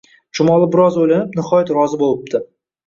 Chumoli biroz o’ylanib, nihoyat, rozi bo’libdi